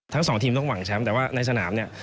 ทั้งสองทีมต้องหวังแชมป์แต่ว่าในสนามเนี่ย